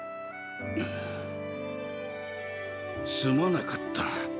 んすまなかった。